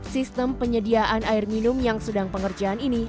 sistem penyediaan air minum yang sedang pengerjaan ini